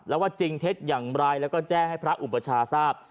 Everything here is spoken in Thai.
แล้วว่าจริงเท็จอย่างไรแล้วก็แจ้งให้พระอุปชาทราบ